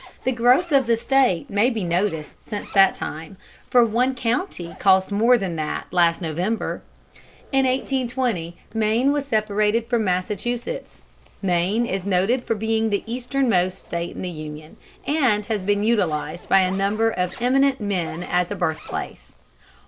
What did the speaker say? The growth of the State may be noticed since that time, for one county cost more than that last November. In 1820 Maine was separated from Massachusetts. Maine is noted for being the easternmost State in the Union, and has been utilized by a number of eminent men as a birthplace.